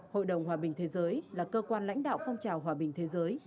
hội đồng hòa bình thế giới là cơ quan lãnh đạo phong trào hòa bình thế giới